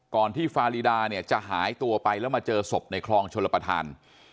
ก่อนที่ฟารีดาเนี่ยจะหายตัวไปแล้วมาเจอศพในคลองชลประธาน